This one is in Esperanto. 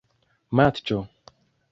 matĉo